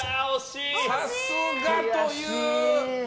さすがという。